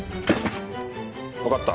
わかった。